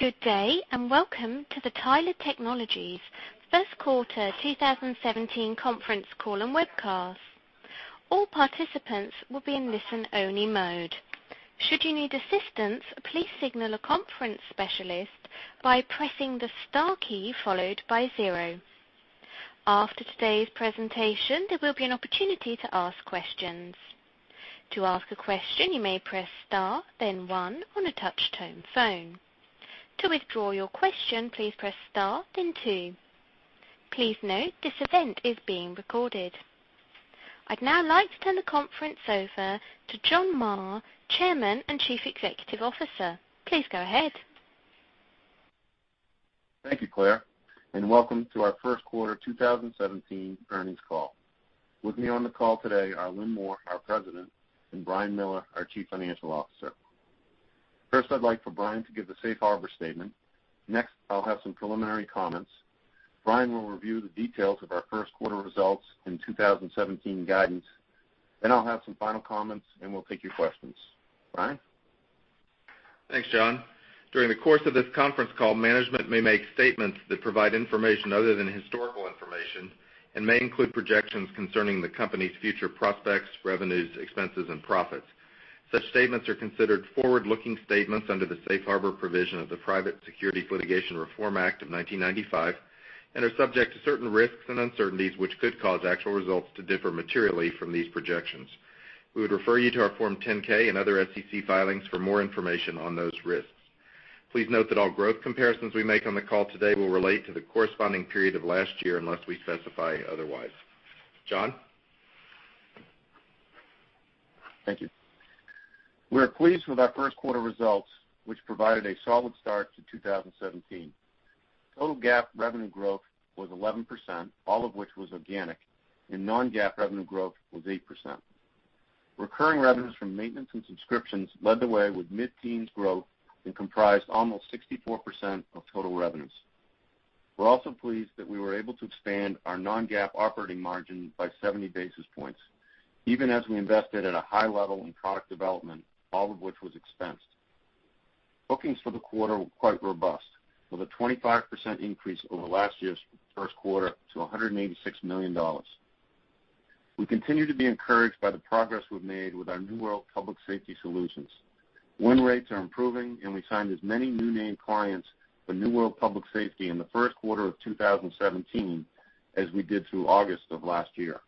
Good day. Welcome to the Tyler Technologies first quarter 2017 conference call and webcast. All participants will be in listen-only mode. Should you need assistance, please signal a conference specialist by pressing the star key followed by zero. After today's presentation, there will be an opportunity to ask questions. To ask a question, you may press star, then one on a touch-tone phone. To withdraw your question, please press star then two. Please note this event is being recorded. I'd now like to turn the conference over to John Marr, Chairman and Chief Executive Officer. Please go ahead. Thank you, Claire. Welcome to our first quarter 2017 earnings call. With me on the call today are Lynn Moore, our President, and Brian Miller, our Chief Financial Officer. First, I'd like for Brian to give the safe harbor statement. Next, I'll have some preliminary comments. Brian will review the details of our first quarter results and 2017 guidance. I'll have some final comments, and we'll take your questions. Brian? Thanks, John. During the course of this conference call, management may make statements that provide information other than historical information and may include projections concerning the company's future prospects, revenues, expenses, and profits. Such statements are considered forward-looking statements under the safe harbor provision of the Private Securities Litigation Reform Act of 1995 and are subject to certain risks and uncertainties which could cause actual results to differ materially from these projections. We would refer you to our Form 10-K and other SEC filings for more information on those risks. Please note that all growth comparisons we make on the call today will relate to the corresponding period of last year, unless we specify otherwise. John? Thank you. We are pleased with our first quarter results, which provided a solid start to 2017. Total GAAP revenue growth was 11%, all of which was organic, and non-GAAP revenue growth was 8%. Recurring revenues from maintenance and subscriptions led the way with mid-teens growth and comprised almost 64% of total revenues. We're also pleased that we were able to expand our non-GAAP operating margin by 70 basis points, even as we invested at a high level in product development, all of which was expensed. Bookings for the quarter were quite robust, with a 25% increase over last year's first quarter to $186 million. We continue to be encouraged by the progress we've made with our New World Public Safety solutions. Win rates are improving, we signed as many new name clients for New World Public Safety in the first quarter of 2017 as we did through August of last year.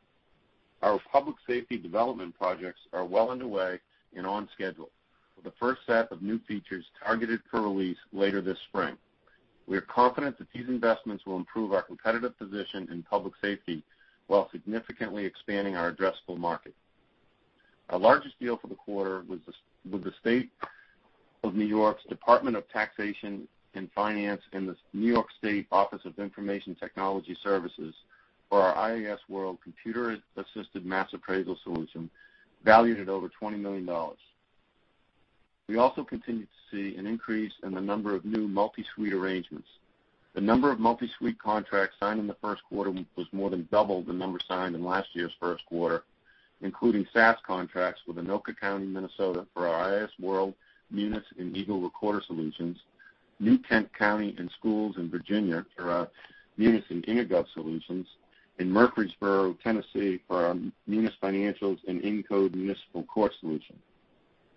Our public safety development projects are well underway and on schedule, with the first set of new features targeted for release later this spring. We are confident that these investments will improve our competitive position in public safety while significantly expanding our addressable market. Our largest deal for the quarter was with the State of New York's Department of Taxation and Finance and the New York State Office of Information Technology Services for our iasWorld computer-assisted mass appraisal solution, valued at over $20 million. We also continued to see an increase in the number of new multi-suite arrangements. The number of multi-suite contracts signed in the first quarter was more than double the number signed in last year's first quarter, including SaaS contracts with Anoka County, Minnesota for our iasWorld, Munis, and Eagle Recorder solutions, New Kent County and schools in Virginia for our Munis and Incode solutions, and Murfreesboro, Tennessee, for our Munis Financials and Incode municipal core solution.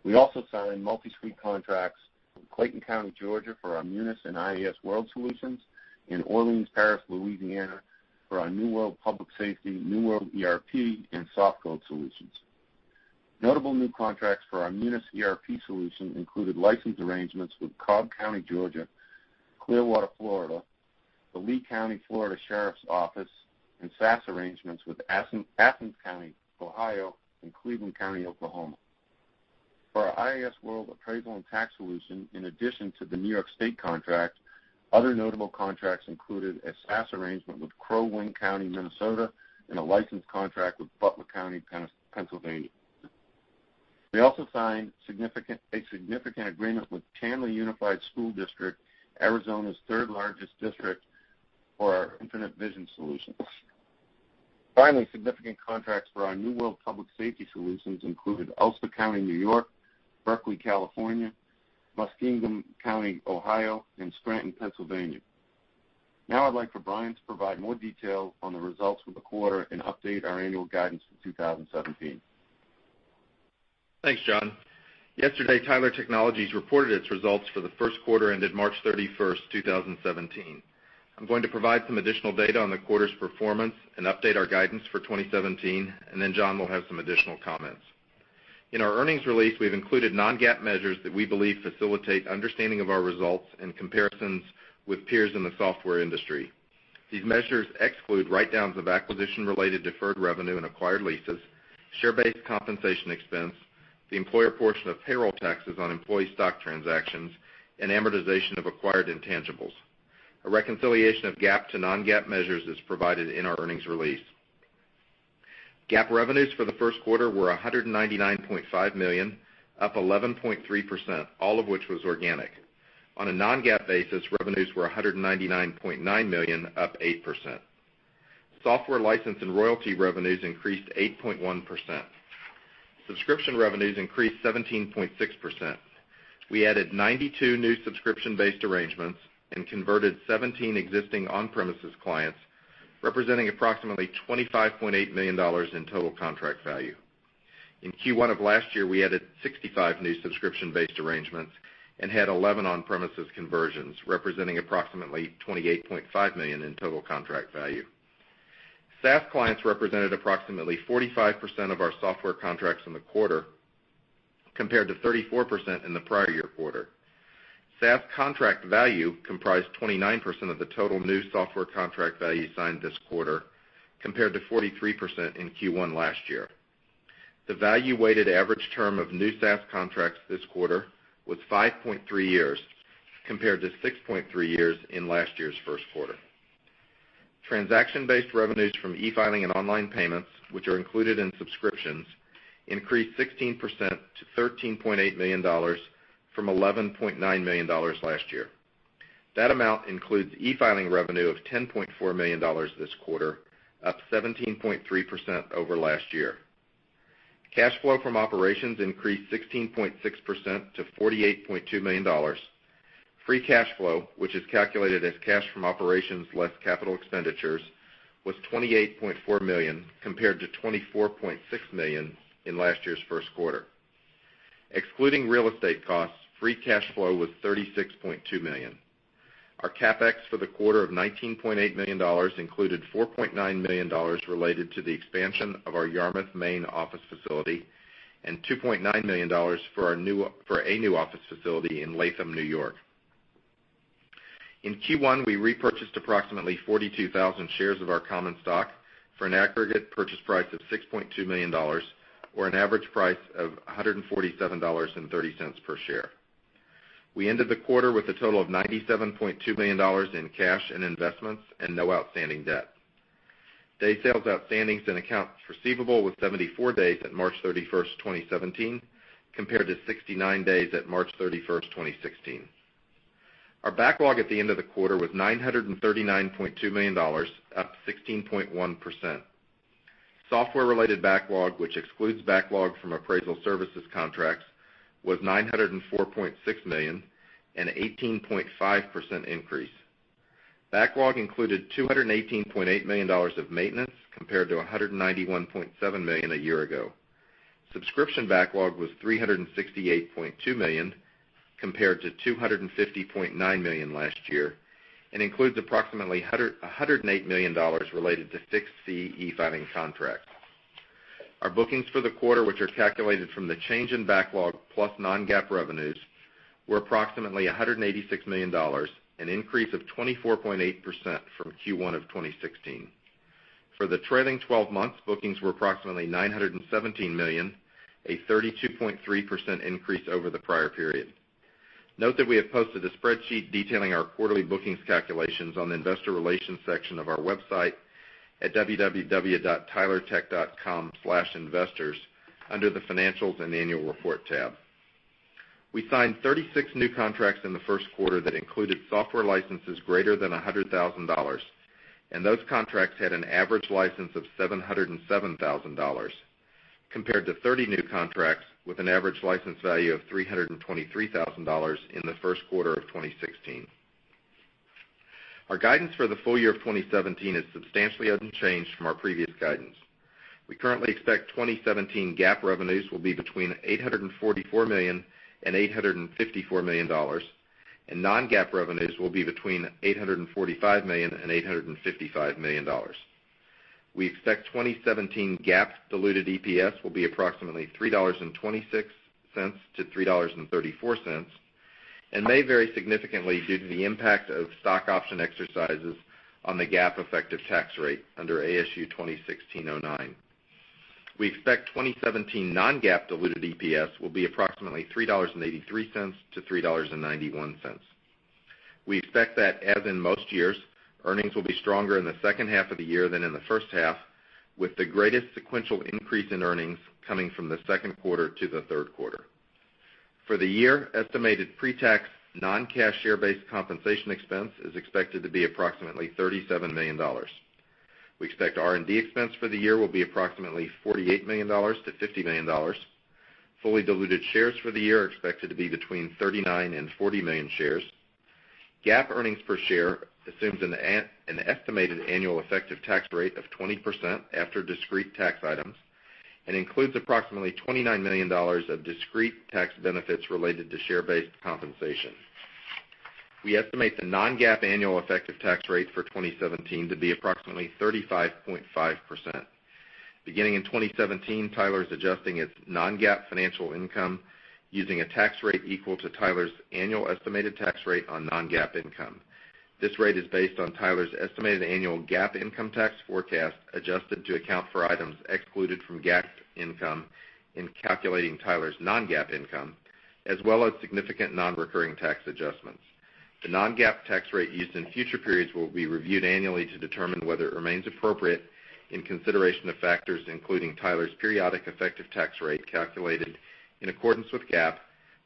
We also signed multi-suite contracts from Clayton County, Georgia, for our Munis and iasWorld solutions, and Orleans Parish, Louisiana, for our New World Public Safety, New World ERP, and SoftCode solutions. Notable new contracts for our Munis ERP solution included license arrangements with Cobb County, Georgia, Clearwater, Florida, the Lee County Florida Sheriff's Office, and SaaS arrangements with Athens County, Ohio, and Cleveland County, Oklahoma. For our iasWorld appraisal and tax solution, in addition to the New York State contract, other notable contracts included a SaaS arrangement with Crow Wing County, Minnesota, and a license contract with Butler County, Pennsylvania. We also signed a significant agreement with Chandler Unified School District, Arizona's third-largest district, for our Infinite Visions solutions. Finally, significant contracts for our New World Public Safety solutions included Ulster County, New York, Berkeley, California, Muskingum County, Ohio, and Scranton, Pennsylvania. Now I'd like for Brian to provide more detail on the results for the quarter and update our annual guidance for 2017. Thanks, John. Yesterday, Tyler Technologies reported its results for the first quarter ended March 31st, 2017. I'm going to provide some additional data on the quarter's performance and update our guidance for 2017, then John will have some additional comments. In our earnings release, we've included non-GAAP measures that we believe facilitate understanding of our results and comparisons with peers in the software industry. These measures exclude write-downs of acquisition-related deferred revenue and acquired leases, share-based compensation expense, the employer portion of payroll taxes on employee stock transactions, and amortization of acquired intangibles. A reconciliation of GAAP to non-GAAP measures is provided in our earnings release. GAAP revenues for the first quarter were $199.5 million, up 11.3%, all of which was organic. On a non-GAAP basis, revenues were $199.9 million, up 8%. Software license and royalty revenues increased 8.1%. Subscription revenues increased 17.6%. We added 92 new subscription-based arrangements and converted 17 existing on-premises clients, representing approximately $25.8 million in total contract value. In Q1 of last year, we added 65 new subscription-based arrangements and had 11 on-premises conversions, representing approximately $28.5 million in total contract value. SaaS clients represented approximately 45% of our software contracts in the quarter, compared to 34% in the prior year quarter. SaaS contract value comprised 29% of the total new software contract value signed this quarter, compared to 43% in Q1 last year. The value-weighted average term of new SaaS contracts this quarter was 5.3 years, compared to 6.3 years in last year's first quarter. Transaction-based revenues from e-filing and online payments, which are included in subscriptions, increased 16% to $13.8 million from $11.9 million last year. That amount includes e-filing revenue of $10.4 million this quarter, up 17.3% over last year. Cash flow from operations increased 16.6% to $48.2 million. Free cash flow, which is calculated as cash from operations less capital expenditures, was $28.4 million, compared to $24.6 million in last year's first quarter. Excluding real estate costs, free cash flow was $36.2 million. Our CapEx for the quarter of $19.8 million included $4.9 million related to the expansion of our Yarmouth, Maine office facility and $2.9 million for a new office facility in Latham, New York. In Q1, we repurchased approximately 42,000 shares of our common stock for an aggregate purchase price of $6.2 million, or an average price of $147.30 per share. We ended the quarter with a total of $97.2 million in cash and investments and no outstanding debt. Days Sales Outstanding in accounts receivable was 74 days at March 31st, 2017, compared to 69 days at March 31st, 2016. Our backlog at the end of the quarter was $939.2 million, up 16.1%. Software-related backlog, which excludes backlog from appraisal services contracts, was $904.6 million, an 18.5% increase. Backlog included $218.8 million of maintenance, compared to $191.7 million a year ago. Subscription backlog was $368.2 million, compared to $250.9 million last year, and includes approximately $108 million related to six new e-filing contracts. Our bookings for the quarter, which are calculated from the change in backlog plus non-GAAP revenues, were approximately $186 million, an increase of 24.8% from Q1 of 2016. For the trailing 12 months, bookings were approximately $917 million, a 32.3% increase over the prior period. Note that we have posted a spreadsheet detailing our quarterly bookings calculations on the investor relations section of our website at www.tylertech.com/investors under the Financials and Annual Report tab. We signed 36 new contracts in the first quarter that included software licenses greater than $100,000. Those contracts had an average license of $707,000, compared to 30 new contracts with an average license value of $323,000 in the first quarter of 2016. Our guidance for the full year of 2017 is substantially unchanged from our previous guidance. We currently expect 2017 GAAP revenues will be between $844 million and $854 million, and non-GAAP revenues will be between $845 million and $855 million. We expect 2017 GAAP diluted EPS will be approximately $3.26 to $3.34, and may vary significantly due to the impact of stock option exercises on the GAAP effective tax rate under ASU 2016-09. We expect 2017 non-GAAP diluted EPS will be approximately $3.83 to $3.91. We expect that, as in most years, earnings will be stronger in the second half of the year than in the first half, with the greatest sequential increase in earnings coming from the second quarter to the third quarter. For the year, estimated pre-tax, non-cash share-based compensation expense is expected to be approximately $37 million. We expect R&D expense for the year will be approximately $48 million to $50 million. Fully diluted shares for the year are expected to be between 39 and 40 million shares. GAAP earnings per share assumes an estimated annual effective tax rate of 20% after discrete tax items and includes approximately $29 million of discrete tax benefits related to share-based compensation. We estimate the non-GAAP annual effective tax rate for 2017 to be approximately 35.5%. Beginning in 2017, Tyler is adjusting its non-GAAP financial income using a tax rate equal to Tyler's annual estimated tax rate on non-GAAP income. This rate is based on Tyler's estimated annual GAAP income tax forecast, adjusted to account for items excluded from GAAP income in calculating Tyler's non-GAAP income, as well as significant non-recurring tax adjustments. The non-GAAP tax rate used in future periods will be reviewed annually to determine whether it remains appropriate in consideration of factors including Tyler's periodic effective tax rate calculated in accordance with GAAP,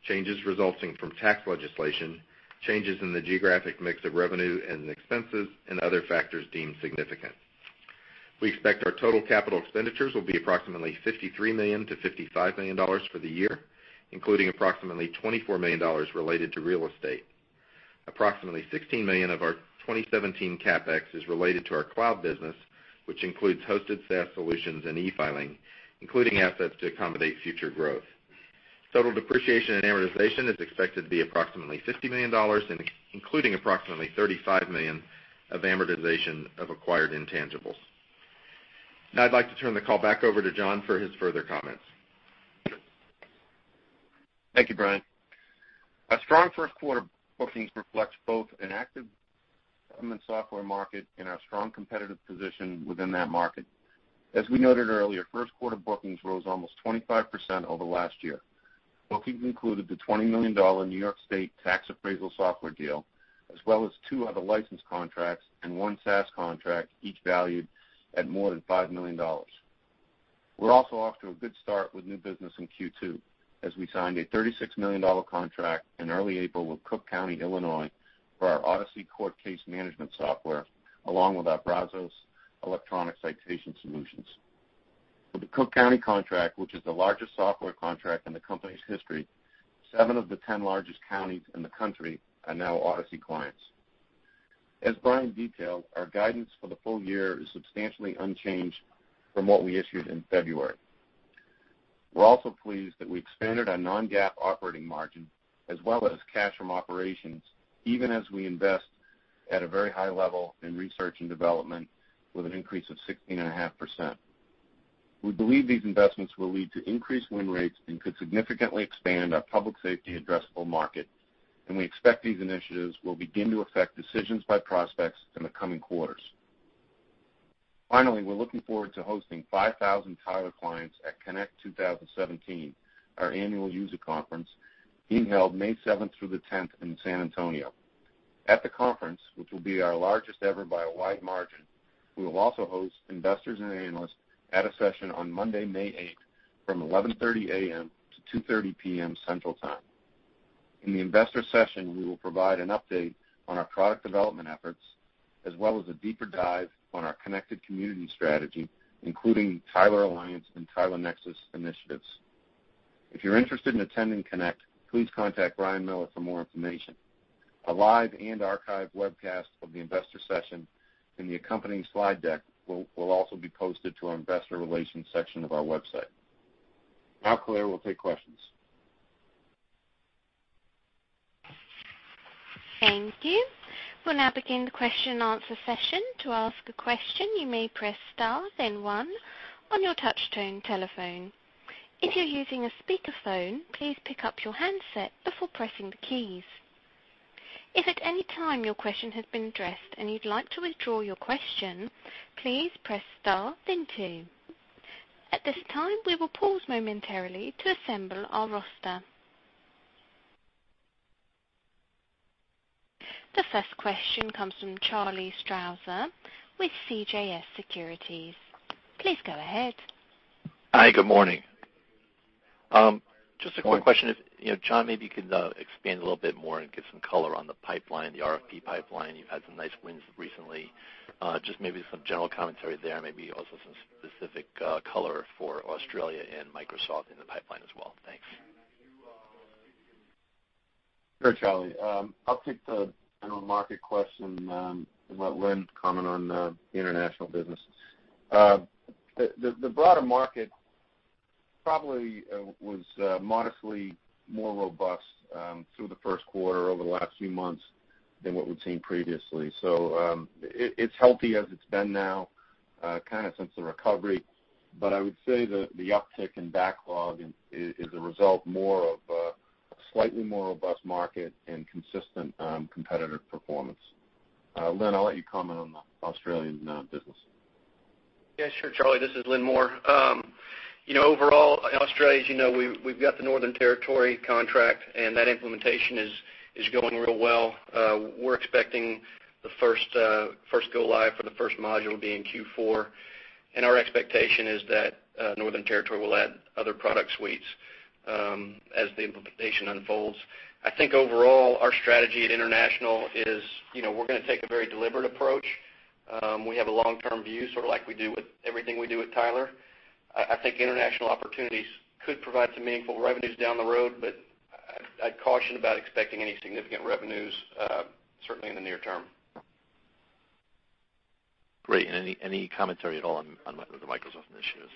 changes resulting from tax legislation, changes in the geographic mix of revenue and in expenses, and other factors deemed significant. We expect our total capital expenditures will be approximately $53 million to $55 million for the year, including approximately $24 million related to real estate. Approximately $16 million of our 2017 CapEx is related to our cloud business, which includes hosted SaaS solutions and e-filing, including assets to accommodate future growth. Total depreciation and amortization is expected to be approximately $50 million, including approximately $35 million of amortization of acquired intangibles. Now I'd like to turn the call back over to John for his further comments. Thank you, Brian. Our strong first quarter bookings reflects both an active government software market and our strong competitive position within that market. As we noted earlier, first quarter bookings rose almost 25% over last year. Bookings included the $20 million New York State tax appraisal software deal, as well as two other license contracts and one SaaS contract, each valued at more than five million dollars. We're also off to a good start with new business in Q2, as we signed a $36 million contract in early April with Cook County, Illinois, for our Odyssey Court case management software, along with our Brazos electronic citation solutions. With the Cook County contract, which is the largest software contract in the company's history, seven of the 10 largest counties in the country are now Odyssey clients. As Brian detailed, our guidance for the full year is substantially unchanged from what we issued in February. We're also pleased that we expanded our non-GAAP operating margin as well as cash from operations, even as we invest at a very high level in research and development with an increase of 16.5%. We believe these investments will lead to increased win rates and could significantly expand our public safety addressable market, and we expect these initiatives will begin to affect decisions by prospects in the coming quarters. Finally, we're looking forward to hosting 5,000 Tyler clients at Connect 2017, our annual user conference being held May seventh through the tenth in San Antonio. At the conference, which will be our largest ever by a wide margin, we will also host investors and analysts at a session on Monday, May eighth from 11:30 A.M. to 2:30 P.M. Central Time. In the investor session, we will provide an update on our product development efforts, as well as a deeper dive on our Connected Communities strategy, including Tyler Alliance and Tyler Nexus initiatives. If you're interested in attending Connect, please contact Brian Miller for more information. A live and archived webcast of the investor session and the accompanying slide deck will also be posted to our investor relations section of our website. Claire will take questions. Thank you. We'll now begin the question and answer session. To ask a question, you may press star, then one on your touchtone telephone. If you're using a speakerphone, please pick up your handset before pressing the keys. If at any time your question has been addressed and you'd like to withdraw your question, please press star, then two. At this time, we will pause momentarily to assemble our roster. The first question comes from Charles Strauser with CJS Securities. Please go ahead. Hi, good morning. Good morning. Just a quick question. John, maybe you could expand a little bit more and give some color on the RFP pipeline. You've had some nice wins recently. Just maybe some general commentary there, maybe also some specific color for Australia and Microsoft in the pipeline as well. Thanks. Sure, Charlie. I'll take the general market question and let Lynn comment on the international business. The broader market probably was modestly more robust through the first quarter over the last few months than what we've seen previously. It's healthy as it's been now, kind of since the recovery. I would say that the uptick in backlog is a result more of a slightly more robust market and consistent competitive performance. Lynn, I'll let you comment on the Australian business. Sure, Charlie. This is Lynn Moore. Overall, Australia, as you know, we've got the Northern Territory contract, and that implementation is going real well. We're expecting the first go-live for the first module to be in Q4, and our expectation is that Northern Territory will add other product suites as the implementation unfolds. I think overall, our strategy at international is we're going to take a very deliberate approach. We have a long-term view, sort of like we do with everything we do with Tyler. I think international opportunities could provide some meaningful revenues down the road, but I'd caution about expecting any significant revenues, certainly in the near term. Great. any commentary at all on the Microsoft initiatives?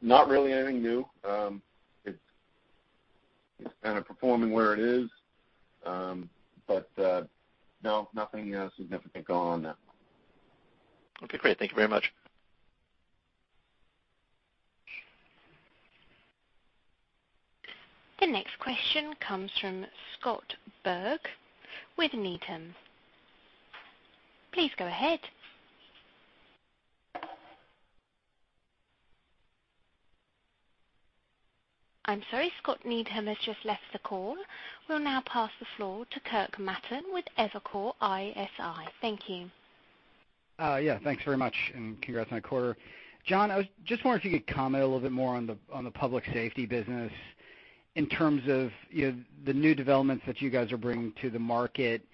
Not really anything new. It's kind of performing where it is. No, nothing significant going on there. Okay, great. Thank you very much. The next question comes from Scott Berg with Needham. Please go ahead I'm sorry, Scott Berg has just left the call. We'll now pass the floor to Kirk Materne with Evercore ISI. Thank you. Thanks very much, and congrats on the quarter. John, I was just wondering if you could comment a little bit more on the public safety business in terms of the new developments that you guys are bringing to the market.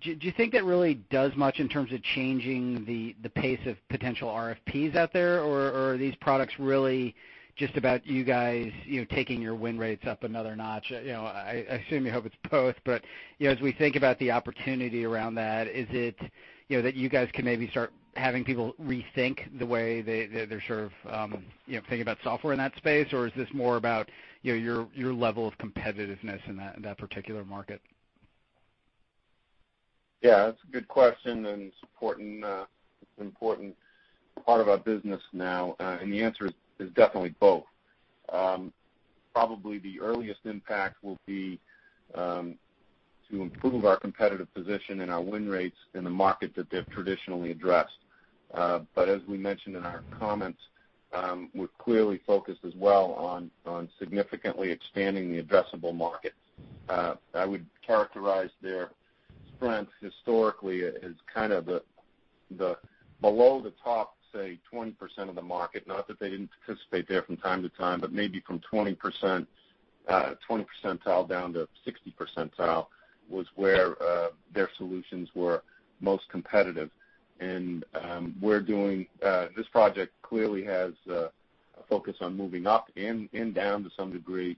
Do you think that really does much in terms of changing the pace of potential RFPs out there, or are these products really just about you guys taking your win rates up another notch? I assume you hope it's both, but as we think about the opportunity around that, is it that you guys can maybe start having people rethink the way they're thinking about software in that space, or is this more about your level of competitiveness in that particular market? That's a good question and it's an important part of our business now. The answer is definitely both. Probably the earliest impact will be to improve our competitive position and our win rates in the market that they've traditionally addressed. As we mentioned in our comments, we're clearly focused as well on significantly expanding the addressable market. I would characterize their strength historically as kind of the below the top, say, 20% of the market, not that they didn't participate there from time to time, but maybe from 20 percentile down to 60 percentile was where their solutions were most competitive. This project clearly has a focus on moving up and down to some degree,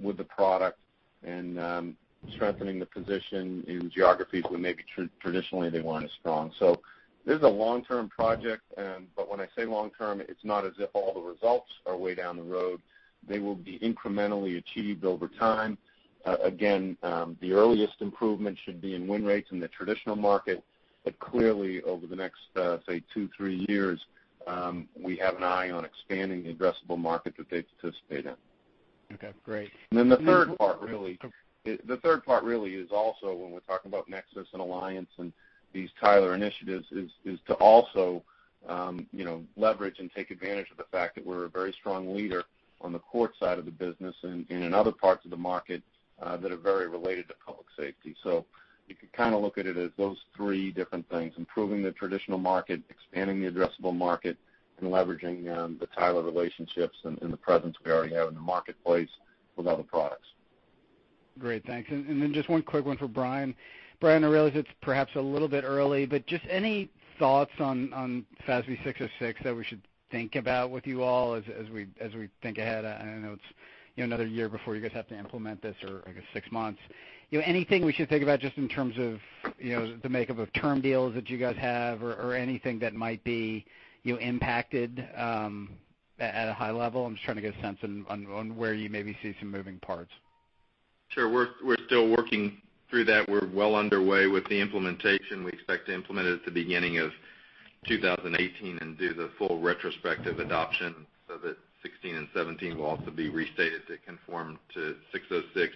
with the product and strengthening the position in geographies where maybe traditionally they weren't as strong. This is a long-term project, when I say long-term, it's not as if all the results are way down the road. They will be incrementally achieved over time. Again, the earliest improvement should be in win rates in the traditional market. Clearly over the next, say, two, three years, we have an eye on expanding the addressable market that they participate in. Okay, great. The third part really is also, when we're talking about Tyler Nexus and Tyler Alliance and these Tyler initiatives, is to also leverage and take advantage of the fact that we're a very strong leader on the court side of the business and in other parts of the market that are very related to public safety. You could look at it as those three different things, improving the traditional market, expanding the addressable market, and leveraging the Tyler relationships and the presence we already have in the marketplace with other products. Great. Thanks. Just one quick one for Brian. Brian, I realize it's perhaps a little bit early, but just any thoughts on ASC 606 that we should think about with you all as we think ahead? I know it's another year before you guys have to implement this, or I guess six months. Anything we should think about just in terms of the makeup of term deals that you guys have or anything that might be impacted at a high level? I'm just trying to get a sense on where you maybe see some moving parts. Sure. We're still working through that. We're well underway with the implementation. We expect to implement it at the beginning of 2018 and do the full retrospective adoption so that 2016 and 2017 will also be restated to conform to 606.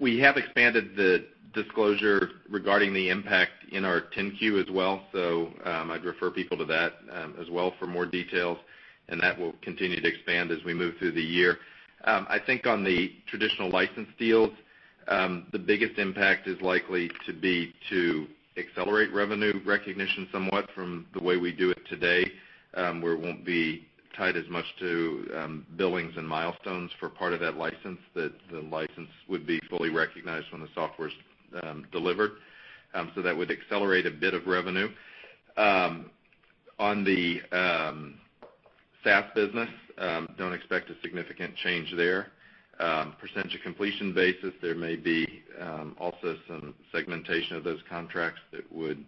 We have expanded the disclosure regarding the impact in our 10-Q as well, I'd refer people to that as well for more details, and that will continue to expand as we move through the year. I think on the traditional license deals, the biggest impact is likely to be to accelerate revenue recognition somewhat from the way we do it today, where it won't be tied as much to billings and milestones for part of that license, that the license would be fully recognized when the software's delivered. That would accelerate a bit of revenue. On the SaaS business, don't expect a significant change there. Percentage of completion basis, there may be also some segmentation of those contracts that would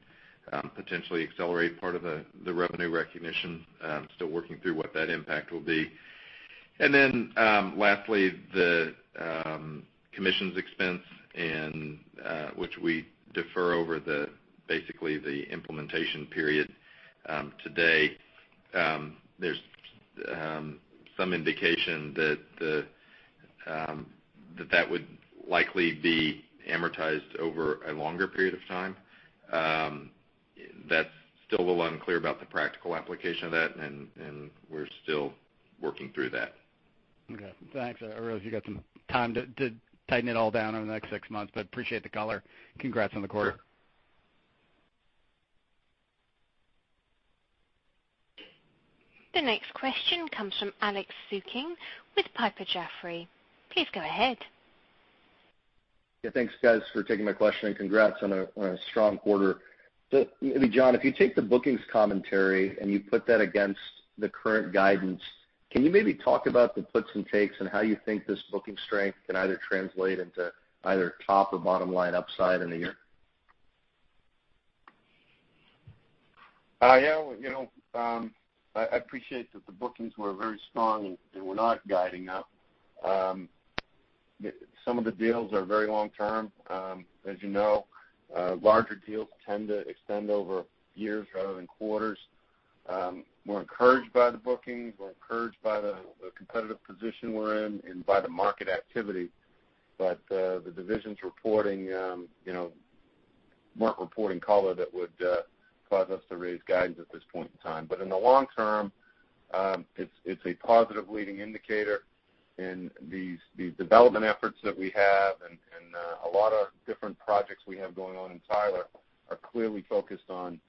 potentially accelerate part of the revenue recognition. Still working through what that impact will be. Lastly, the commissions expense, which we defer over basically the implementation period today. There's some indication that that would likely be amortized over a longer period of time. That's still a little unclear about the practical application of that, and we're still working through that. Okay. Thanks. I realize you got some time to tighten it all down over the next six months, but appreciate the color. Congrats on the quarter. Sure. The next question comes from Alex Zukin with Piper Jaffray. Please go ahead. Thanks, guys for taking my question, and congrats on a strong quarter. John, if you take the bookings commentary and you put that against the current guidance, can you maybe talk about the puts and takes and how you think this booking strength can either translate into either top or bottom line upside in a year? I appreciate that the bookings were very strong, and we're not guiding up. Some of the deals are very long-term. As you know, larger deals tend to extend over years rather than quarters. We're encouraged by the bookings. We're encouraged by the competitive position we're in and by the market activity. The divisions reporting weren't reporting color that would cause us to raise guidance at this point in time. In the long term, it's a positive leading indicator in these development efforts that we have, and a lot of different projects we have going on in Tyler are clearly focused on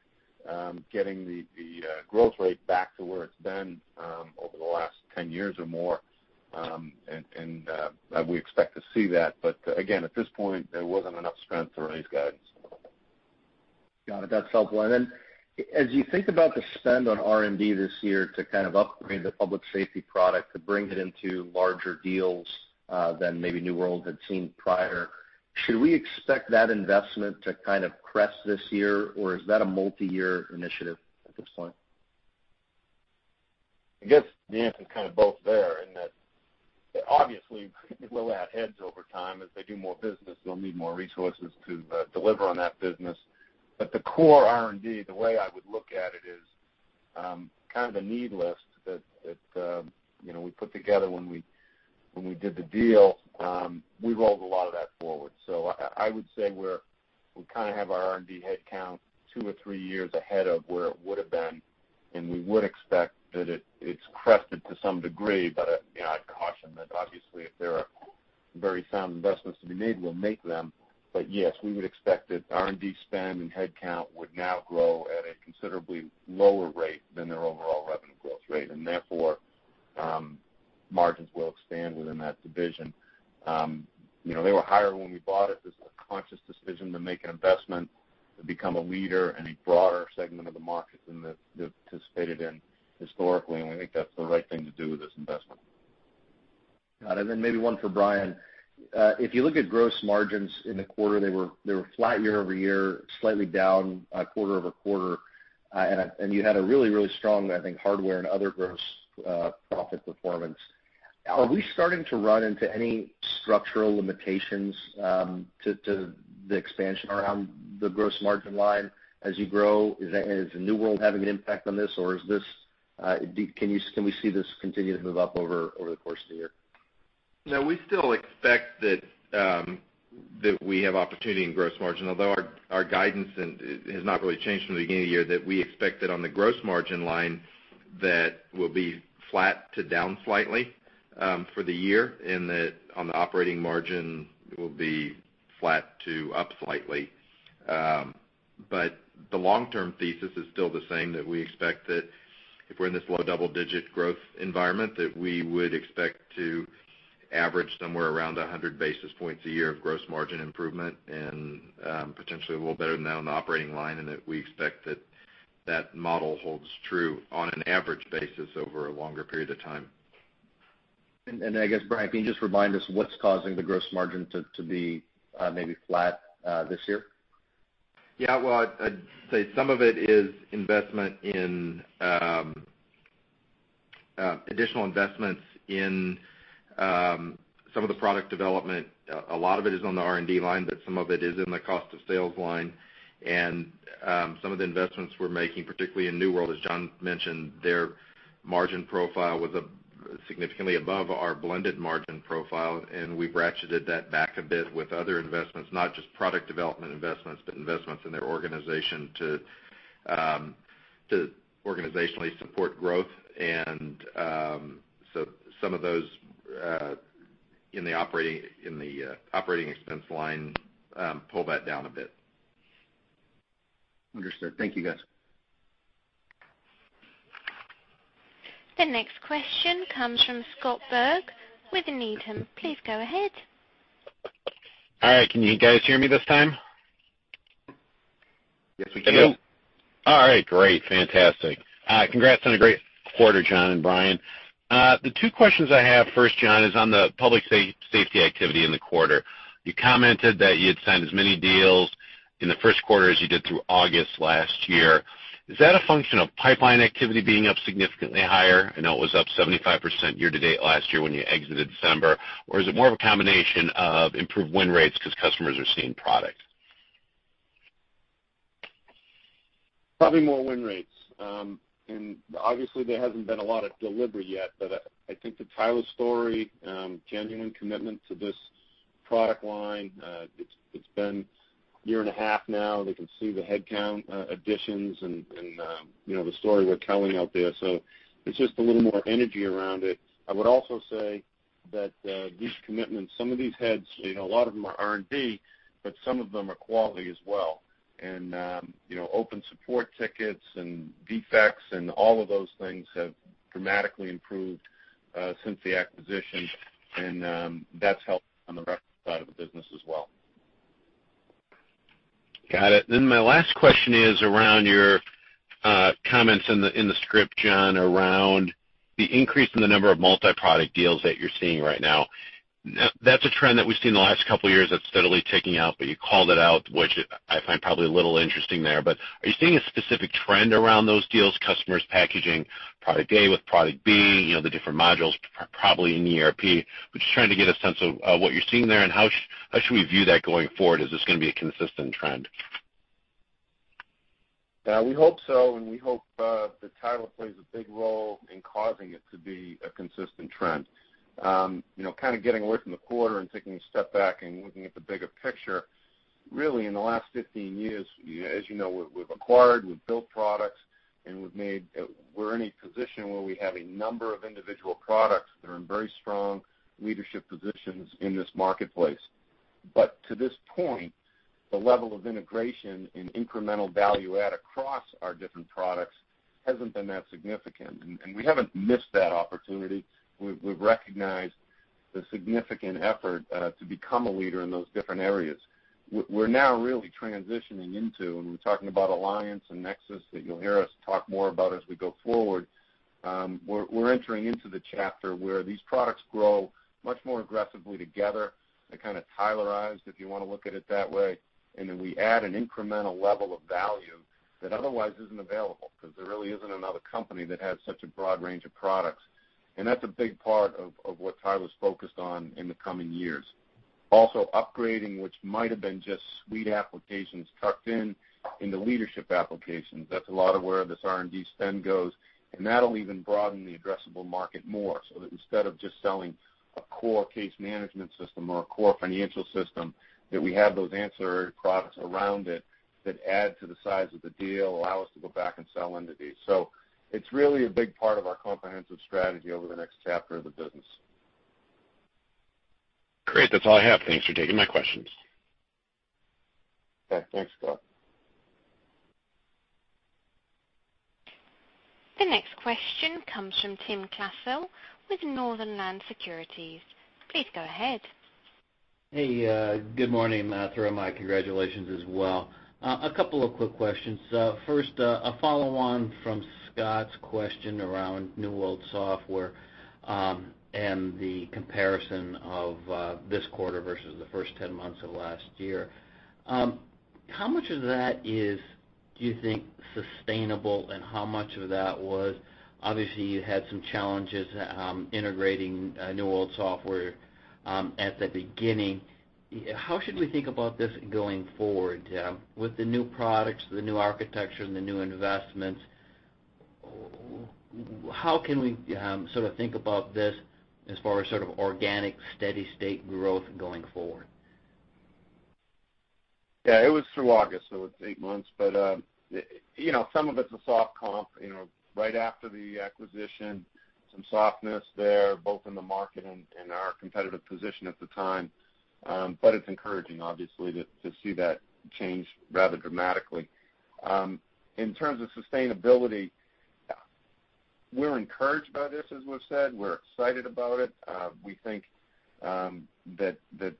getting the growth rate back to where it's been over the last 10 years or more. We expect to see that. Again, at this point, there wasn't enough strength to raise guidance. Got it. That's helpful. As you think about the spend on R&D this year to upgrade the public safety product to bring it into larger deals than maybe New World had seen prior, should we expect that investment to crest this year, or is that a multi-year initiative at this point? I guess the answer's both there in that obviously we'll add heads over time. As they do more business, they'll need more resources to deliver on that business. The core R&D, the way I would look at it is the need list that we put together when we did the deal, we rolled a lot of that forward. I would say we kind of have our R&D headcount two or three years ahead of where it would have been, and we would expect that it's crested to some degree. I'd caution that obviously if there are very sound investments to be made, we'll make them. Yes, we would expect that R&D spend and headcount would now grow at a considerably lower rate than their overall revenue growth rate, and therefore margins will expand within that division. They were higher when we bought it. This was a conscious decision to make an investment to become a leader in a broader segment of the market than they've participated in historically, we think that's the right thing to do with this investment. Got it. Maybe one for Brian. If you look at gross margins in the quarter, they were flat year-over-year, slightly down quarter-over-quarter. You had a really, really strong, I think, hardware and other gross profit performance. Are we starting to run into any structural limitations to the expansion around the gross margin line as you grow? Is New World having an impact on this, or can we see this continue to move up over the course of the year? No, we still expect that we have opportunity in gross margin, although our guidance has not really changed from the beginning of the year, that we expect that on the gross margin line, that we'll be flat to down slightly for the year, and that on the operating margin, it will be flat to up slightly. The long-term thesis is still the same, that we expect that if we're in this low double-digit growth environment, that we would expect to average somewhere around 100 basis points a year of gross margin improvement and potentially a little better than that on the operating line, and that we expect that that model holds true on an average basis over a longer period of time. I guess, Brian, can you just remind us what's causing the gross margin to be maybe flat this year? Well, I'd say some of it is additional investments in some of the product development. A lot of it is on the R&D line, but some of it is in the cost of sales line. Some of the investments we're making, particularly in New World, as John mentioned, their margin profile was significantly above our blended margin profile, and we ratcheted that back a bit with other investments, not just product development investments, but investments in their organization to organizationally support growth. Some of those in the operating expense line pull that down a bit. Understood. Thank you, guys. The next question comes from Scott Berg with Needham. Please go ahead. All right. Can you guys hear me this time? Yes, we can. We do. All right. Great. Fantastic. Congrats on a great quarter, John and Brian. The two questions I have, first, John, is on the public safety activity in the quarter. You commented that you had signed as many deals in the first quarter as you did through August last year. Is that a function of pipeline activity being up significantly higher? I know it was up 75% year to date last year when you exited December. Or is it more of a combination of improved win rates because customers are seeing product? Probably more win rates. Obviously, there hasn't been a lot of delivery yet, but I think the Tyler story, genuine commitment to this product line. It's been a year and a half now. They can see the headcount additions and the story we're telling out there. It's just a little more energy around it. I would also say that these commitments, some of these heads, a lot of them are R&D, but some of them are quality as well. Open support tickets and defects and all of those things have dramatically improved since the acquisition, and that's helped on the revenue side of the business as well. Got it. My last question is around your comments in the script, John, around the increase in the number of multi-product deals that you're seeing right now. That's a trend that we've seen in the last couple of years that's steadily ticking up, but you called it out, which I find probably a little interesting there. Are you seeing a specific trend around those deals, customers packaging product A with product B, the different modules probably in ERP? Just trying to get a sense of what you're seeing there and how should we view that going forward. Is this going to be a consistent trend? We hope so, and we hope that Tyler plays a big role in causing it to be a consistent trend. Kind of getting away from the quarter and taking a step back and looking at the bigger picture, really, in the last 15 years, as you know, we've acquired, we've built products, and we're in a position where we have a number of individual products that are in very strong leadership positions in this marketplace. To this point, the level of integration and incremental value add across our different products hasn't been that significant, and we haven't missed that opportunity. We've recognized the significant effort to become a leader in those different areas. We're now really transitioning into, and we're talking about Alliance and Nexus that you'll hear us talk more about as we go forward. We're entering into the chapter where these products grow much more aggressively together. They're kind of Tylerized, if you want to look at it that way, and then we add an incremental level of value that otherwise isn't available, because there really isn't another company that has such a broad range of products. That's a big part of what Tyler's focused on in the coming years. Also, upgrading, which might have been just suite applications tucked in the leadership applications. That's a lot of where this R&D spend goes. That'll even broaden the addressable market more, so that instead of just selling a core case management system or a core financial system, that we have those answer products around it that add to the size of the deal, allow us to go back and sell into these. It's really a big part of our comprehensive strategy over the next chapter of the business. Great. That's all I have. Thanks for taking my questions. Okay. Thanks, Scott. The next question comes from Tim Klasell with Northland Securities. Please go ahead. Hey, good morning. Throw my congratulations as well. A couple of quick questions. First, a follow-on from Scott's question around New World Systems and the comparison of this quarter versus the first 10 months of last year. How much of that is, do you think, sustainable, and how much of that was? Obviously you had some challenges integrating New World Systems at the beginning. How should we think about this going forward? With the new products, the new architecture, and the new investments, how can we think about this as far as organic, steady state growth going forward? Yeah, it was through August, so it's eight months, but some of it's a soft comp. Right after the acquisition, some softness there, both in the market and our competitive position at the time. It's encouraging, obviously, to see that change rather dramatically. In terms of sustainability, we're encouraged by this, as we've said. We're excited about it. We think that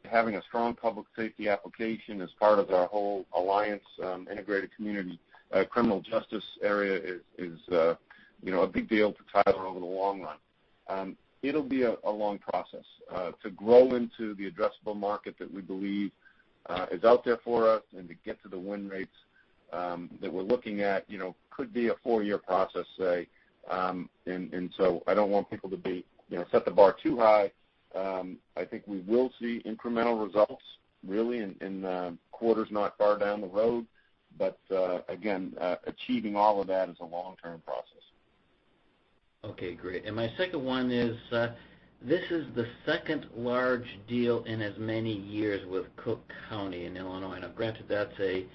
having a strong public safety application as part of our whole Alliance integrated community criminal justice area is a big deal for Tyler over the long run. It'll be a long process. To grow into the addressable market that we believe is out there for us and to get to the win rates that we're looking at could be a four-year process, say. So I don't want people to set the bar too high. I think we will see incremental results really in quarters not far down the road, but again, achieving all of that is a long-term process. Okay, great. My second one is, this is the second large deal in as many years with Cook County in Illinois. Now granted, that's a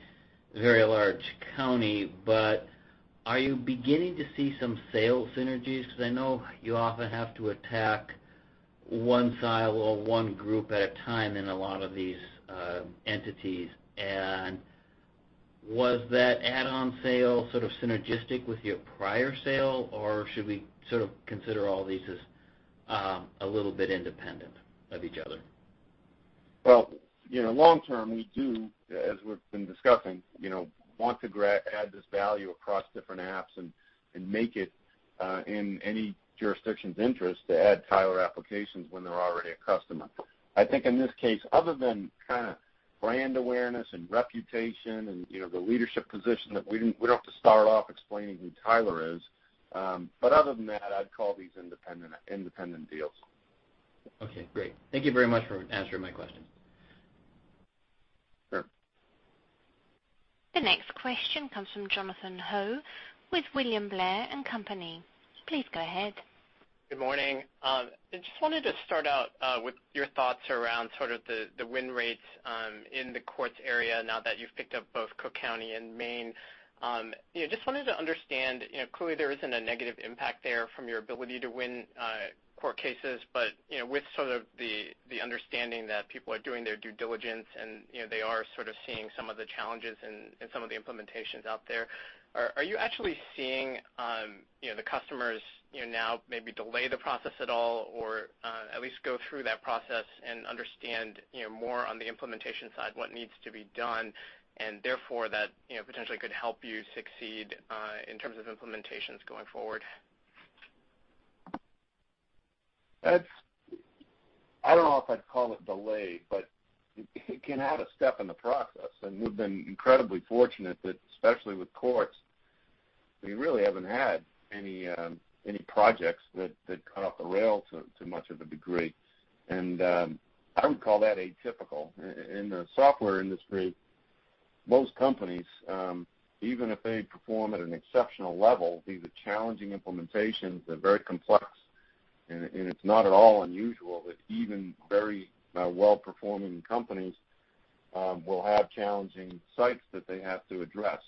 very large county, but are you beginning to see some sales synergies? I know you often have to attack one silo or one group at a time in a lot of these entities. Was that add-on sale synergistic with your prior sale, or should we consider all these as a little bit independent of each other? Well, long term, we do, as we've been discussing, want to add this value across different apps and make it in any jurisdiction's interest to add Tyler applications when they're already a customer. I think in this case, other than brand awareness and reputation and the leadership position, that we don't have to start off explaining who Tyler is. Other than that, I'd call these independent deals. Okay, great. Thank you very much for answering my questions. Sure. The next question comes from Jonathan Ho with William Blair & Company. Please go ahead. Good morning. I just wanted to start out with your thoughts around the win rates in the courts area now that you've picked up both Cook County and Maine. Just wanted to understand, clearly there isn't a negative impact there from your ability to win court cases, but with the understanding that people are doing their due diligence and they are seeing some of the challenges and some of the implementations out there, are you actually seeing the customers now maybe delay the process at all, or at least go through that process and understand more on the implementation side what needs to be done and therefore that potentially could help you succeed in terms of implementations going forward? I don't know if I'd call it delay, it can add a step in the process. We've been incredibly fortunate that, especially with courts. We really haven't had any projects that got off the rail to much of a degree. I would call that atypical. In the software industry, most companies, even if they perform at an exceptional level, these are challenging implementations. They're very complex, and it's not at all unusual that even very well-performing companies will have challenging sites that they have to address.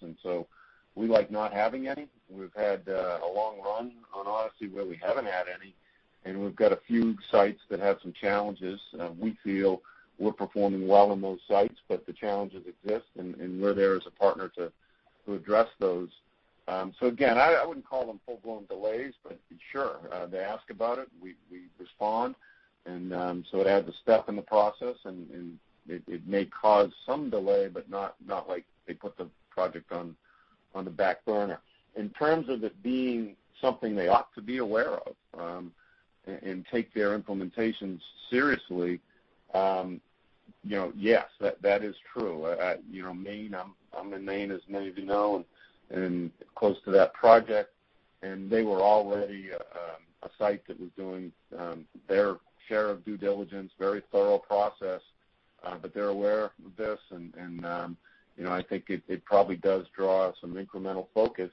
We like not having any. We've had a long run on Odyssey where we haven't had any, and we've got a few sites that have some challenges. We feel we're performing well on those sites, but the challenges exist, and we're there as a partner to address those. Again, I wouldn't call them full-blown delays, but sure, they ask about it, we respond. It adds a step in the process, and it may cause some delay, but not like they put the project on the back burner. In terms of it being something they ought to be aware of and take their implementations seriously, yes, that is true. Maine, I'm in Maine, as many of you know, and close to that project, and they were already a site that was doing their share of due diligence, very thorough process. They're aware of this, and I think it probably does draw some incremental focus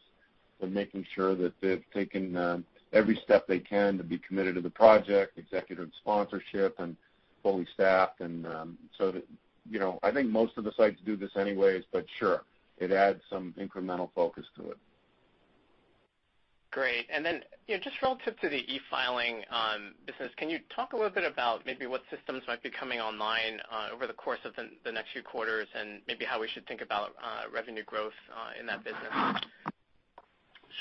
in making sure that they've taken every step they can to be committed to the project, executive sponsorship, and fully staffed. I think most of the sites do this anyways, but sure, it adds some incremental focus to it. Great. Just relative to the e-filing business, can you talk a little bit about maybe what systems might be coming online over the course of the next few quarters and maybe how we should think about revenue growth in that business?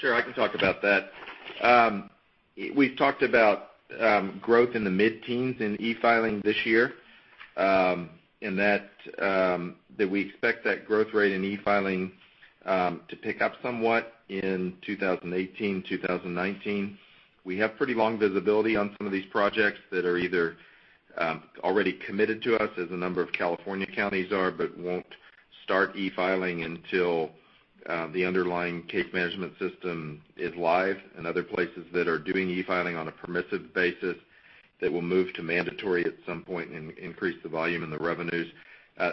Sure, I can talk about that. We've talked about growth in the mid-teens in e-filing this year, and that we expect that growth rate in e-filing to pick up somewhat in 2018, 2019. We have pretty long visibility on some of these projects that are either already committed to us, as a number of California counties are, but won't start e-filing until the underlying case management system is live. Other places that are doing e-filing on a permissive basis that will move to mandatory at some point and increase the volume and the revenues.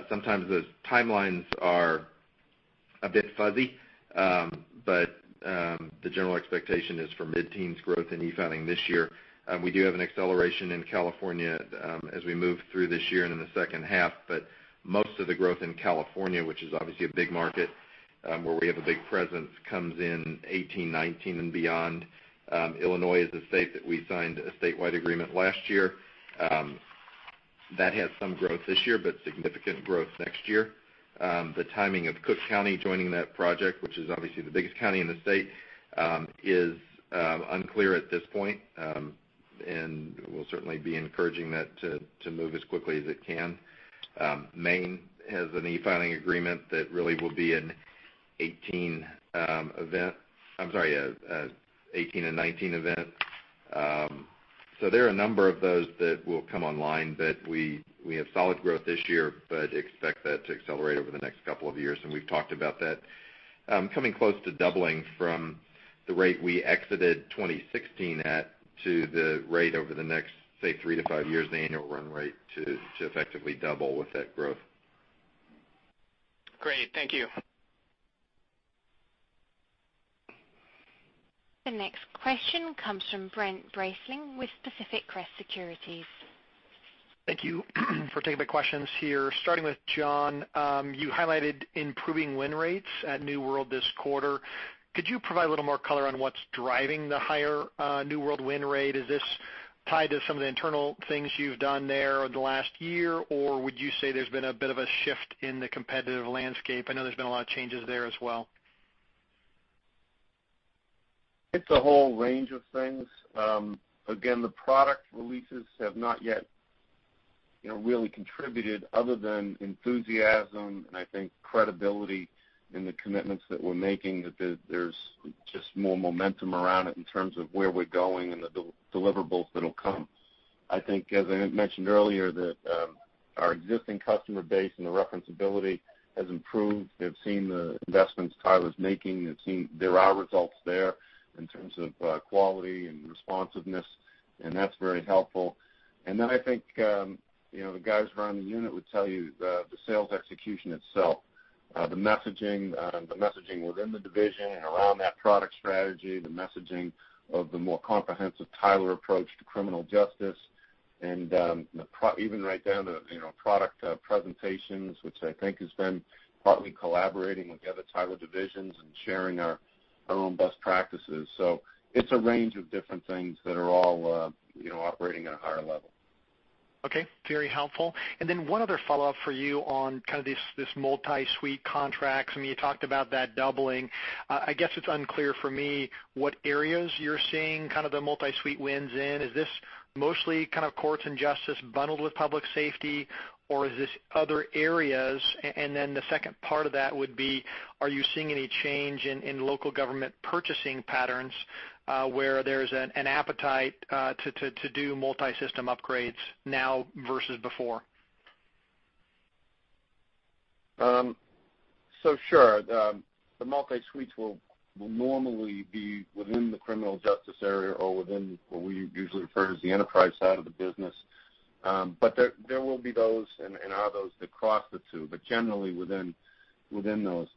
Sometimes those timelines are a bit fuzzy. The general expectation is for mid-teens growth in e-filing this year. We do have an acceleration in California as we move through this year and in the second half. Most of the growth in California, which is obviously a big market where we have a big presence, comes in 2018, 2019 and beyond. Illinois is a state that we signed a statewide agreement last year. That has some growth this year, but significant growth next year. The timing of Cook County joining that project, which is obviously the biggest county in the state, is unclear at this point. We'll certainly be encouraging that to move as quickly as it can. Maine has an e-filing agreement that really will be an 2018 and 2019 event. There are a number of those that will come online, but we have solid growth this year, but expect that to accelerate over the next couple of years, and we've talked about that coming close to doubling from the rate we exited 2016 at to the rate over the next, say, three to five years, the annual run rate to effectively double with that growth. Great. Thank you. The next question comes from Brent Bracelin with Pacific Crest Securities. Thank you for taking my questions here. Starting with John, you highlighted improving win rates at New World this quarter. Could you provide a little more color on what's driving the higher New World win rate? Is this tied to some of the internal things you've done there over the last year, or would you say there's been a bit of a shift in the competitive landscape? I know there's been a lot of changes there as well. It's a whole range of things. The product releases have not yet really contributed other than enthusiasm and I think credibility in the commitments that we're making, that there's just more momentum around it in terms of where we're going and the deliverables that'll come. I think, as I mentioned earlier, that our existing customer base and the reference-ability has improved. They've seen the investments Tyler's making. They've seen there are results there in terms of quality and responsiveness, and that's very helpful. I think the guys running the unit would tell you the sales execution itself, the messaging within the division and around that product strategy, the messaging of the more comprehensive Tyler approach to criminal justice, and even right down to product presentations, which I think has been partly collaborating with the other Tyler divisions and sharing our own best practices. It's a range of different things that are all operating at a higher level. Okay. Very helpful. One other follow-up for you on kind of this multi-suite contracts. I mean, you talked about that doubling. I guess it's unclear for me what areas you're seeing kind of the multi-suite wins in. Is this mostly kind of courts and justice bundled with public safety, or is this other areas? The second part of that would be, are you seeing any change in local government purchasing patterns where there's an appetite to do multi-system upgrades now versus before? Sure. The multi-suites will normally be within the criminal justice area or within what we usually refer to as the enterprise side of the business. There will be those and are those that cross the two, but generally within those.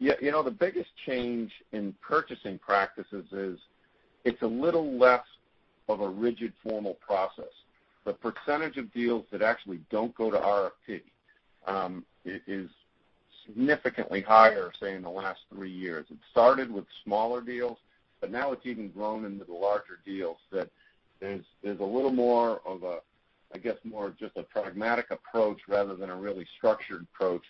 The biggest change in purchasing practices is it's a little less of a rigid, formal process. The percentage of deals that actually don't go to RFP is significantly higher, say, in the last three years. It started with smaller deals, but now it's even grown into the larger deals, that there's a little more of a, I guess, more just a pragmatic approach rather than a really structured approach.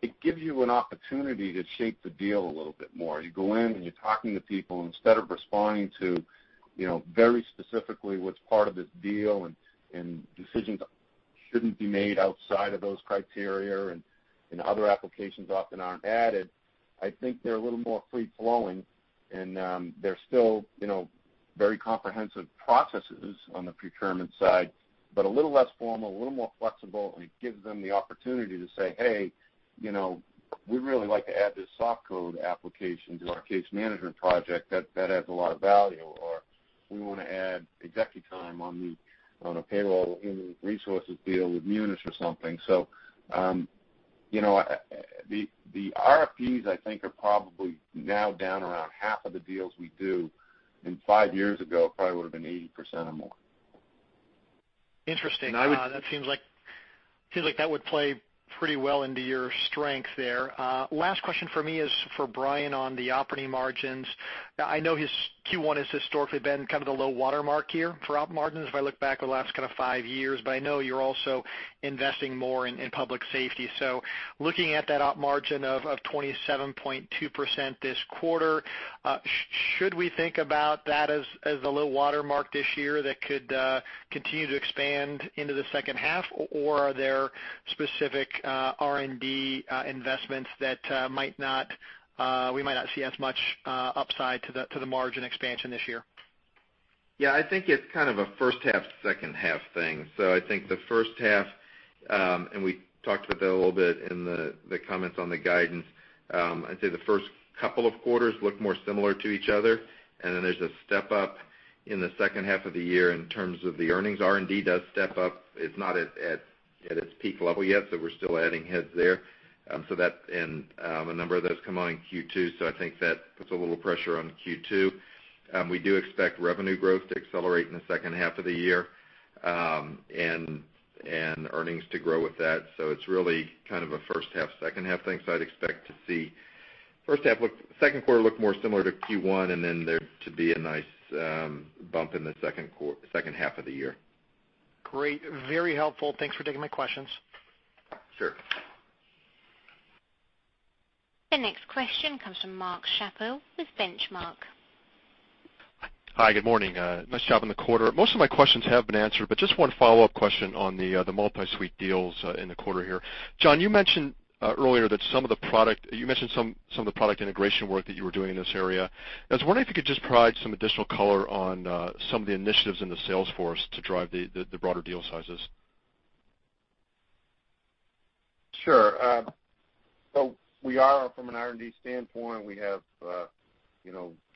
It gives you an opportunity to shape the deal a little bit more. You go in and you're talking to people, instead of responding to very specifically what's part of this deal and decisions shouldn't be made outside of those criteria, and other applications often aren't added. I think they're a little more free-flowing, and they're still very comprehensive processes on the procurement side, but a little less formal, a little more flexible, and it gives them the opportunity to say, "Hey, we'd really like to add this SoftCode application to our case management project that adds a lot of value," or, "We want to add executive time on a payroll human resources deal with Munis or something." The RFPs, I think are probably now down around half of the deals we do, and five years ago, it probably would've been 80% or more. Interesting. I would- That seems like that would play pretty well into your strength there. Last question from me is for Brian on the operating margins. I know Q1 has historically been the low water mark here for op margins if I look back over the last five years, but I know you're also investing more in public safety. Looking at that op margin of 27.2% this quarter, should we think about that as the low water mark this year that could continue to expand into the second half, or are there specific R&D investments that we might not see as much upside to the margin expansion this year? Yeah. I think it's a first half, second half thing. I think the first half, and we talked about that a little bit in the comments on the guidance, I'd say the first couple of quarters look more similar to each other, and then there's a step up in the second half of the year in terms of the earnings. R&D does step up. It's not at its peak level yet, so we're still adding heads there. A number of those come on in Q2, so I think that puts a little pressure on Q2. We do expect revenue growth to accelerate in the second half of the year, and earnings to grow with that. It's really a first half/second half thing, so I'd expect to see second quarter look more similar to Q1, and then there to be a nice bump in the second half of the year. Great. Very helpful. Thanks for taking my questions. Sure. The next question comes from Mark Schappel with Benchmark. Hi. Good morning. Nice job on the quarter. Most of my questions have been answered. Just one follow-up question on the multi-suite deals in the quarter here. John, you mentioned earlier some of the product integration work that you were doing in this area. I was wondering if you could just provide some additional color on some of the initiatives in the sales force to drive the broader deal sizes. Sure. From an R&D standpoint, we have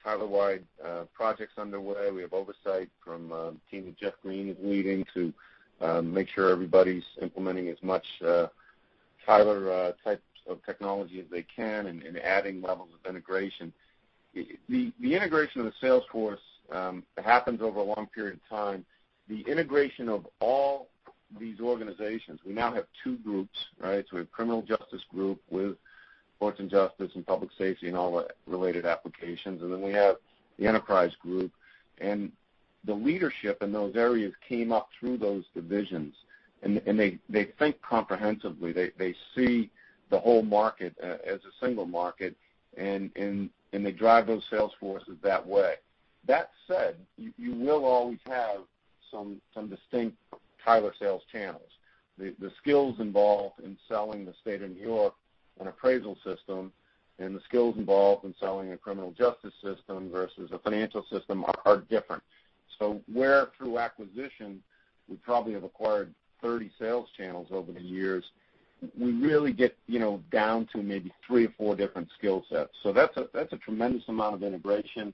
Tyler-wide projects underway. We have oversight from a team that Jeff Green is leading to make sure everybody's implementing as much Tyler types of technology as they can and adding levels of integration. The integration of the sales force happens over a long period of time. The integration of all these organizations, we now have two groups, right? We have criminal justice group with courts and justice and public safety and all the related applications. We have the enterprise group. The leadership in those areas came up through those divisions. They think comprehensively. They see the whole market as a single market. They drive those sales forces that way. That said, you will always have some distinct Tyler sales channels. The skills involved in selling the State of New York an appraisal system. The skills involved in selling a criminal justice system versus a financial system are different. Where through acquisition, we probably have acquired 30 sales channels over the years, we really get down to maybe three or four different skill sets. That's a tremendous amount of integration.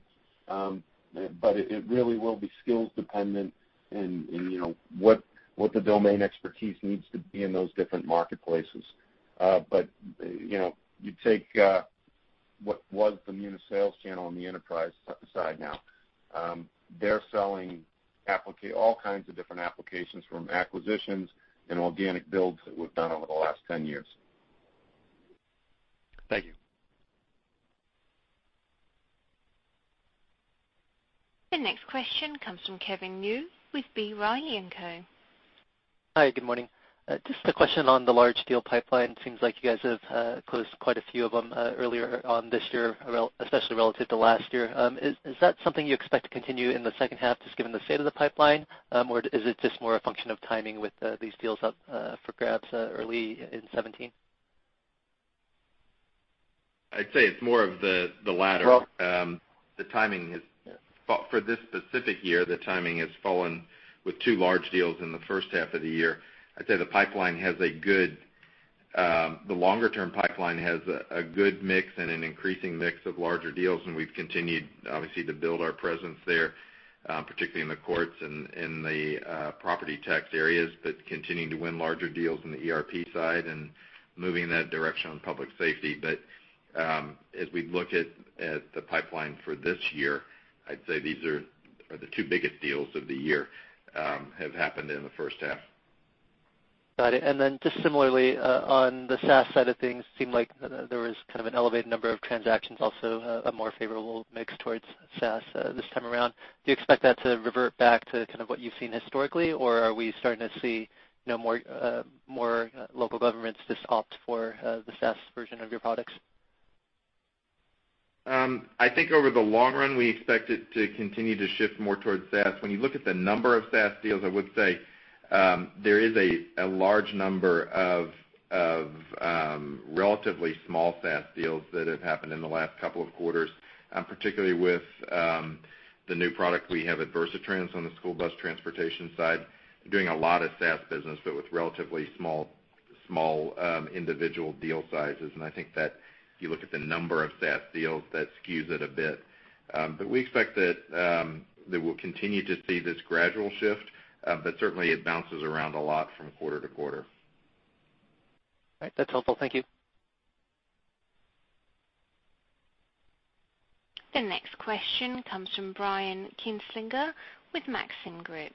It really will be skills dependent and what the domain expertise needs to be in those different marketplaces. You take what was the Munis sales channel on the enterprise side now. They're selling all kinds of different applications from acquisitions and organic builds that we've done over the last 10 years. Thank you. The next question comes from Kevin Liu with B. Riley & Co. Hi. Good morning. Just a question on the large deal pipeline. Seems like you guys have closed quite a few of them earlier on this year, especially relative to last year. Is that something you expect to continue in the second half, just given the state of the pipeline? Or is it just more a function of timing with these deals up for grabs early in 2017? I'd say it's more of the latter. Well- The timing has, for this specific year, the timing has fallen with two large deals in the first half of the year. I'd say the longer-term pipeline has a good mix and an increasing mix of larger deals, and we've continued, obviously, to build our presence there, particularly in the courts and in the property tax areas, but continuing to win larger deals in the ERP side and moving in that direction on public safety. As we've looked at the pipeline for this year, I'd say these are the two biggest deals of the year, have happened in the first half. Got it. Then just similarly, on the SaaS side of things, seemed like there was kind of an elevated number of transactions, also a more favorable mix towards SaaS this time around. Do you expect that to revert back to kind of what you've seen historically? Or are we starting to see more local governments just opt for the SaaS version of your products? I think over the long run, we expect it to continue to shift more towards SaaS. When you look at the number of SaaS deals, I would say there is a large number of relatively small SaaS deals that have happened in the last couple of quarters, particularly with the new product we have at Versatrans on the school bus transportation side. Doing a lot of SaaS business, but with relatively small individual deal sizes. I think that if you look at the number of SaaS deals, that skews it a bit. We expect that we'll continue to see this gradual shift, but certainly it bounces around a lot from quarter to quarter. All right. That's helpful. Thank you. The next question comes from Brian Kinstlinger with Maxim Group.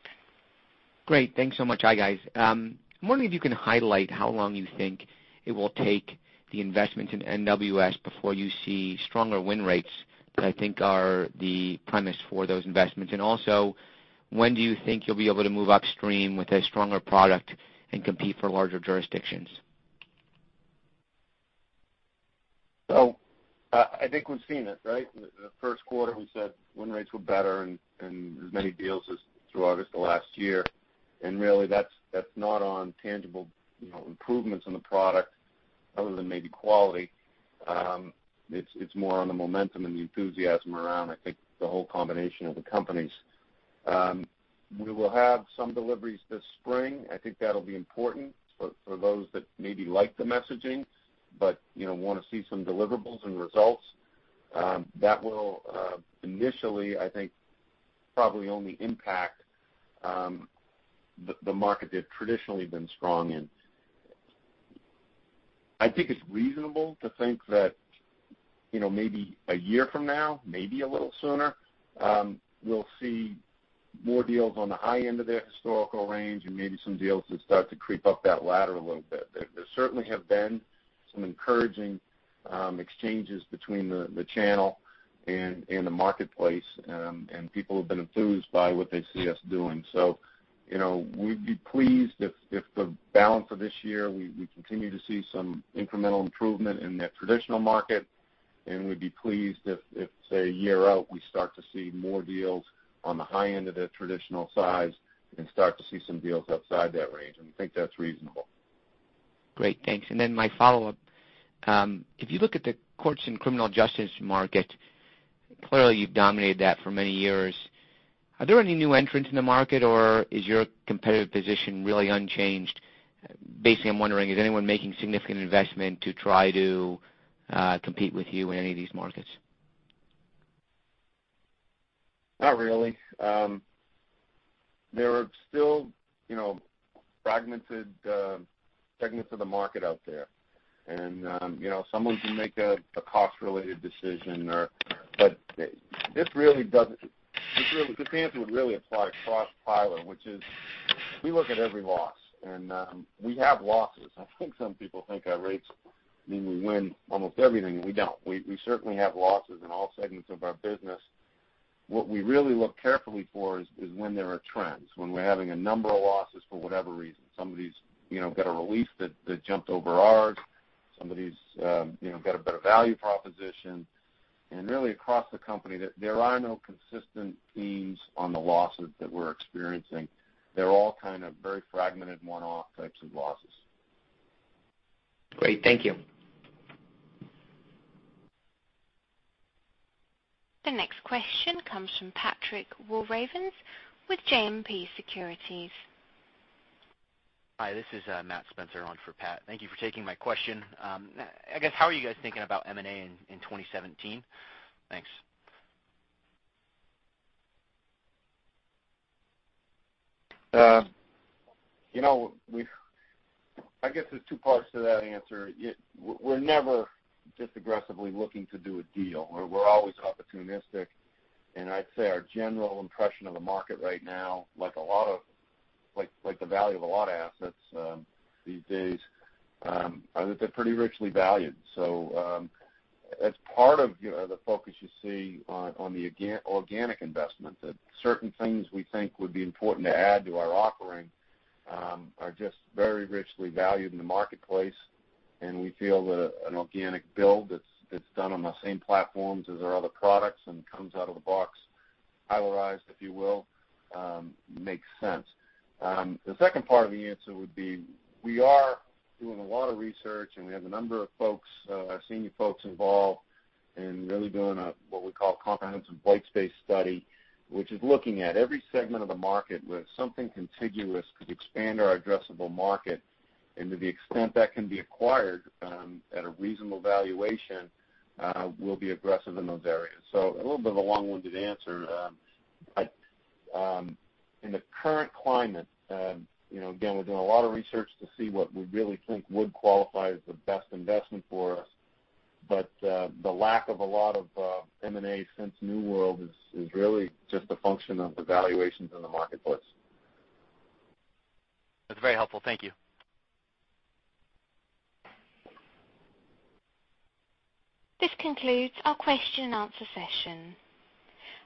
Great. Thanks so much. Hi, guys. I'm wondering if you can highlight how long you think it will take the investments in NWS before you see stronger win rates that I think are the premise for those investments. When do you think you'll be able to move upstream with a stronger product and compete for larger jurisdictions? I think we've seen it, right? The first quarter, we said win rates were better and as many deals as through August of last year. Really, that's not on tangible improvements in the product other than maybe quality. It's more on the momentum and the enthusiasm around, I think, the whole combination of the companies. We will have some deliveries this spring. I think that'll be important for those that maybe like the messaging, but want to see some deliverables and results. That will initially, I think, probably only impact the market they've traditionally been strong in. I think it's reasonable to think that maybe a year from now, maybe a little sooner, we'll see more deals on the high end of their historical range and maybe some deals that start to creep up that ladder a little bit. There certainly have been some encouraging exchanges between the channel and the marketplace, and people have been enthused by what they see us doing. We'd be pleased if the balance of this year, we continue to see some incremental improvement in that traditional market, and we'd be pleased if, say, a year out, we start to see more deals on the high end of the traditional size and start to see some deals outside that range. We think that's reasonable. Great, thanks. My follow-up, if you look at the courts and criminal justice market, clearly you've dominated that for many years. Are there any new entrants in the market, or is your competitive position really unchanged? Basically, I'm wondering, is anyone making significant investment to try to compete with you in any of these markets? Not really. There are still fragmented segments of the market out there. Someone can make a cost-related decision. The answer would really apply across Tyler, which is, we look at every loss, and we have losses. I think some people think our rates mean we win almost everything, and we don't. We certainly have losses in all segments of our business. What we really look carefully for is when there are trends, when we're having a number of losses for whatever reason. Somebody's got a release that jumped over ours, somebody's got a better value proposition. Really across the company, there are no consistent themes on the losses that we're experiencing. They're all kind of very fragmented, one-off types of losses. Great. Thank you. The next question comes from Patrick Walravens with JMP Securities. Hi, this is Mathew Spencer on for Pat. Thank you for taking my question. I guess, how are you guys thinking about M&A in 2017? Thanks. I guess there's two parts to that answer. We're never just aggressively looking to do a deal. We're always opportunistic. I'd say our general impression of the market right now, like the value of a lot of assets these days, are that they're pretty richly valued. As part of the focus you see on the organic investment, that certain things we think would be important to add to our offering are just very richly valued in the marketplace, and we feel that an organic build that's done on the same platforms as our other products and comes out of the box Tylerized, if you will, makes sense. The second part of the answer would be, we are doing a lot of research, and we have a number of folks, our senior folks involved in really doing what we call a comprehensive white space study, which is looking at every segment of the market where something contiguous could expand our addressable market. To the extent that can be acquired at a reasonable valuation, we'll be aggressive in those areas. A little bit of a long-winded answer. In the current climate, again, we're doing a lot of research to see what we really think would qualify as the best investment for us. The lack of a lot of M&A since New World is really just a function of the valuations in the marketplace. That's very helpful. Thank you. This concludes our question and answer session.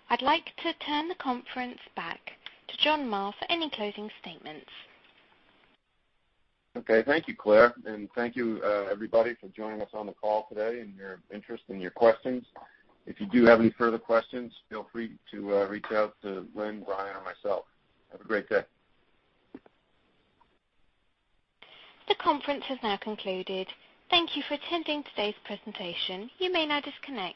I'd like to turn the conference back to John Marr for any closing statements. Okay. Thank you, Claire, and thank you everybody for joining us on the call today and your interest and your questions. If you do have any further questions, feel free to reach out to Lynn, Brian, or myself. Have a great day. The conference has now concluded. Thank you for attending today's presentation. You may now disconnect.